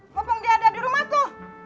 mumpung dia ada di rumah ku